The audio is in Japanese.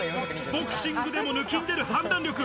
ボクシングでも抜きん出る判断力。